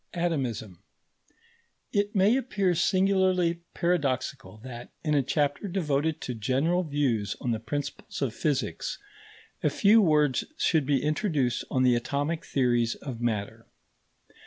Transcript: ATOMISM It may appear singularly paradoxical that, in a chapter devoted to general views on the principles of physics, a few words should be introduced on the atomic theories of matter.